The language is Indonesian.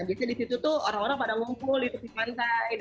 dan biasanya di situ tuh orang orang pada ngumpul di tepi pantai